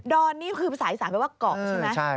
อนนี่คือภาษาอีสานแปลว่าเกาะใช่ไหม